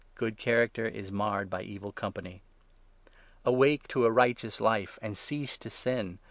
' Good character is marred by evil company.' Awake to a righteous life, and cease to sin.